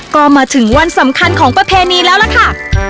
ก็มาถึงวันสำคัญของประเพณีแล้วล่ะค่ะ